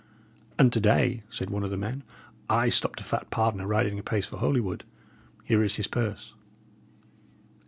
"And to day," said one of the men, "I stopped a fat pardoner riding apace for Holywood. Here is his purse."